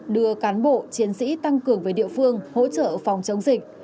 đưa cán bộ chiến sĩ tăng cường về địa phương hỗ trợ phòng chống dịch